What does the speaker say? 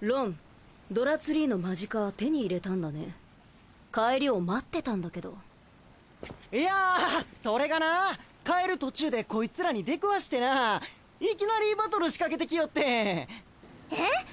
ロンドラツリーのマジカ手に入れたんだね帰りを待ってたんだけどいやーそれがなー帰る途中でこいつらに出くわしてなーいきなりバトル仕掛けてきよってんえ！？